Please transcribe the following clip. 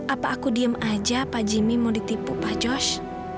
apa aku diem aja pak jimmy mau ditipu pak joshu